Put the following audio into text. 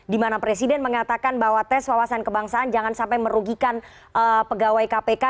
dimana presiden mengatakan bahwa tes wawasan kebangsaan jangan sampai merugikan pegawai kpk